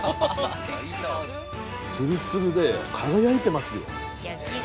つるつるで輝いてますよ。